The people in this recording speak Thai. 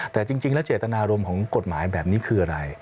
แต่จริงแล้วเจตนารมณ์ของกฎหมายแบบนี้คืออะไร